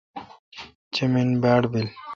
چمین باڑبیل۔